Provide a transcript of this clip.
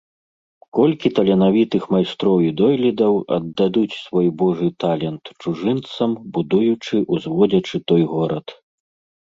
Колькі таленавітых майстроў і дойлідаў аддадуць свой Божы талент чужынцам, будуючы, узводзячы той горад!